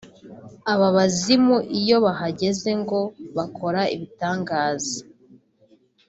Aba bazimu iyo bahageze ngo bakora ibitangaza